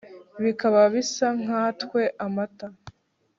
Bikaba bisa nkatwe amata